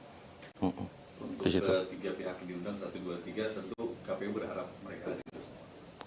untuk ketiga pihak yang diundang satu dua tiga tentu kpu berharap mereka hadir semua